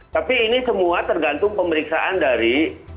tapi ini semua tergantung pemeriksaan dari